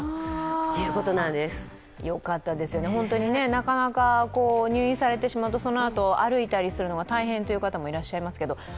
なかなか入院されてしまうとそのあと歩いたりするのが大変という方もいらっしゃいますけど。